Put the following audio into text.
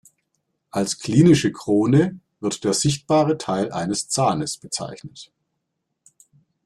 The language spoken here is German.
Als klinische Krone wird der sichtbare Teil eines Zahnes bezeichnet.